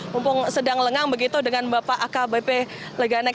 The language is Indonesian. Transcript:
mumpung sedang lengang begitu dengan bapak akbp leganek